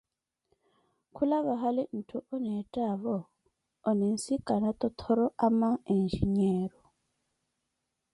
kula vahali ntthu aneettaavo oninsikana totthoro ama enjinyeero.